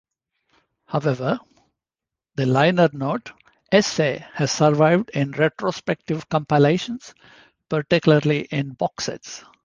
However, the liner note "essay" has survived in retrospective compilations, particularly in box sets.